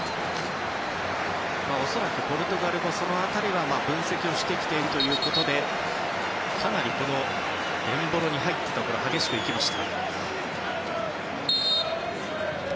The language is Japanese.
恐らくポルトガルは分析してきているということでかなりエンボロに入ったところ厳しく行きました。